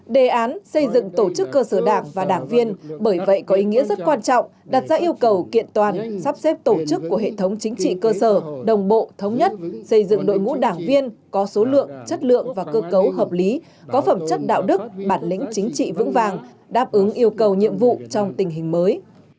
đề án xây dựng tổ chức cơ sở đảng và đảng viên bởi vậy có ý nghĩa rất quan trọng đặt ra yêu cầu kiện toàn sắp xếp tổ chức của hệ thống chính trị cơ sở đồng bộ thống nhất xây dựng đội ngũ đảng viên có số lượng chất lượng và cơ cấu hợp lý có phẩm chất đạo đức bản lĩnh chính trị vững vàng đáp ứng yêu cầu nhiệm vụ trong tình hình mới